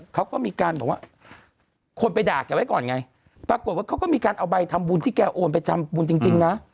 เขาก็มีการบอกว่าคนไปด่าแกไว้ก่อนไงปรากฏว่าเขาก็มีการเอาใบทำบุญที่แกโอนไปทำบุญจริงนะ